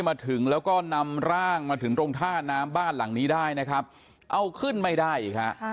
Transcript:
มาถึงแล้วก็นำร่างมาถึงตรงท่าน้ำบ้านหลังนี้ได้นะครับเอาขึ้นไม่ได้อีกฮะ